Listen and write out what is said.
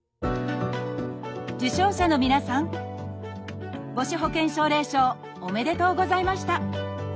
受賞者の皆さん母子保健奨励賞おめでとうございました。